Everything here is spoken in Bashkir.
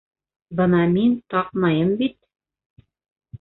Бына мин таҡмайым бит!